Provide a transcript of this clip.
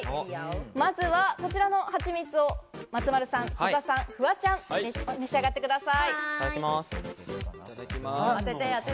まずはこちらの蜂蜜を松丸さん、曽田さん、フワちゃん、召し上がってください。